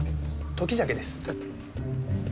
時鮭です。